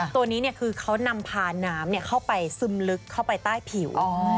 ตัวนี้คือเขานำพาน้ำเข้าไปซึมลึกเข้าไปใต้ผิว